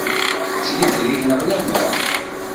Ttgent deg-neɣ laman.